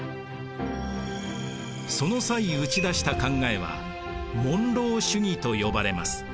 その際打ち出した考えはモンロー主義と呼ばれます。